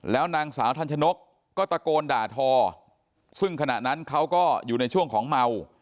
แล้วนางสาวทันชนกก็ตะโกนด่าทอซึ่งขณะนั้นเขาก็อยู่ในช่วงของเมา